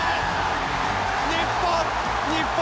日本！